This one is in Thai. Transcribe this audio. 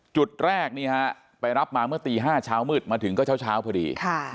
จุดแรกไปรับมาเมื่อตี๕เช้ามืดมาถึงก็เช้าพอดี